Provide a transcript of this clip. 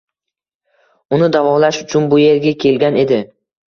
Uni davolash uchun bu yerga kelgan edi.